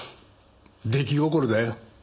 出来心だよ。